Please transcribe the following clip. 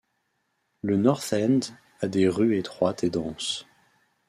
Le North End a des rues étroites et denses.